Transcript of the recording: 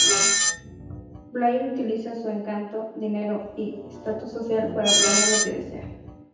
Blair utiliza su encanto, dinero, y status social para obtener lo que desea.